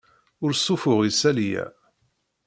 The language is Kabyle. Ur ssuffuɣ isali-a.